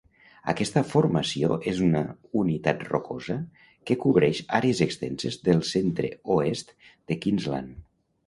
Aquesta formació és una unitat rocosa que cobreix àrees extenses del centre-oest de Queensland.